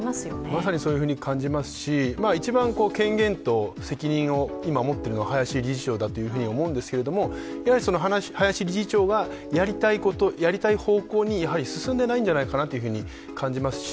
まさにそういうふうに感じますし一番権限と責任を持っているのは林理事長だと思うんですけれども、やはり林理事長がやりたいこと、やりたい方向に進んでないんじゃないかなというふうに感じますし